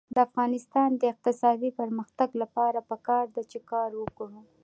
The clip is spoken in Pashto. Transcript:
د افغانستان د اقتصادي پرمختګ لپاره پکار ده چې کار وکړو.